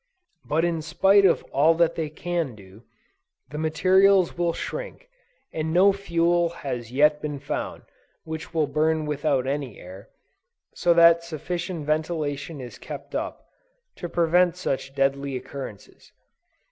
But in spite of all that they can do, the materials will shrink, and no fuel has yet been found, which will burn without any air, so that sufficient ventilation is kept up, to prevent such deadly occurrences.